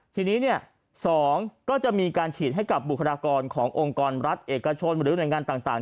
ทีนี้๒ก็จะมีการฉีดให้กับบุคลากรขององค์กรรัฐเอกชนหรือหน่วยงานต่าง